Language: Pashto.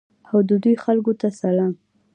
او د دوی خلکو ته سلام.